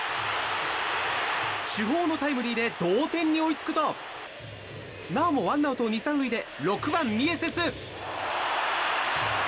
主砲のタイムリーで同点に追いつくとなおもワンアウト２、３塁で６番、ミエセス。